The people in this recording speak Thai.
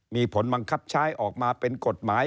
มีผลบังคับใช้ออกมาเป็นกฎหมาย